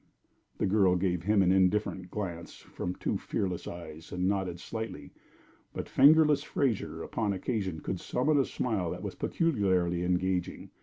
The girl gave him an indifferent glance from two fearless eyes, and nodded slightly. But "Fingerless" Fraser upon occasion could summon a smile that was peculiarly engaging.